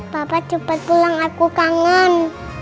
papa cepet pulang aku kangen